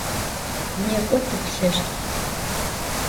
Nêk'o tıplheşt!